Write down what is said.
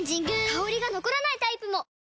香りが残らないタイプも！